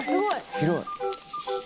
広い。